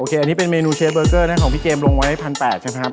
อันนี้เป็นเมนูเชฟเบอร์เกอร์นะของพี่เกมลงไว้๑๘๐๐ใช่ไหมครับ